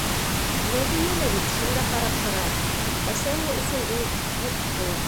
Мәҙинә лә бит шунда ҡарап тора, әсәһе өсөн ул юҡ кеүек.